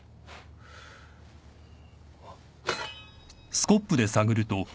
あっ。